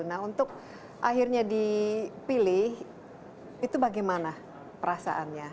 nah untuk akhirnya dipilih itu bagaimana perasaannya